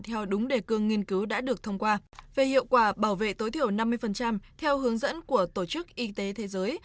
theo đúng đề cương nghiên cứu đã được thông qua về hiệu quả bảo vệ tối thiểu năm mươi theo hướng dẫn của tổ chức y tế thế giới